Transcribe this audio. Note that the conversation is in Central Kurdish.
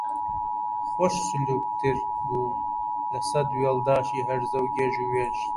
خۆش سلووکتر بوو لە سەد وێڵداشی هەرزە و گێژ و وێژ